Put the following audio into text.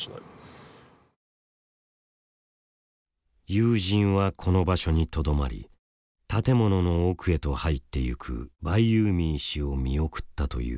友人はこの場所にとどまり建物の奥へと入っていくバイユーミー氏を見送ったという。